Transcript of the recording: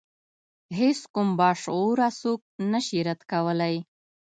هیڅ کوم باشعوره څوک نشي رد کولای.